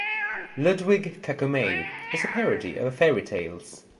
"Ludwig Kakumei" is a parody of fairy tales.